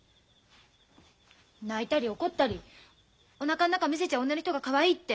泣いたり怒ったりおなかん中見せちゃう女の人がかわいいって